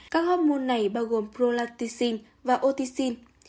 các học môn này bao gồm prolactin và oticin